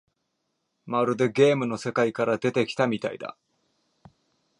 まるでゲームの世界から出てきたみたいだ